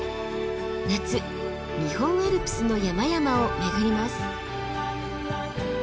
夏日本アルプスの山々を巡ります。